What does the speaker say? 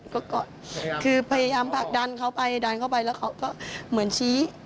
ก็คือพยายามผลักดันเขาไปดันเข้าไปแล้วเขาก็เหมือนชี้